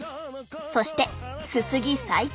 そしてすすぎ再開。